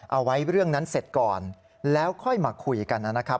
เอาไว้เรื่องนั้นเสร็จก่อนแล้วค่อยมาคุยกันนะครับ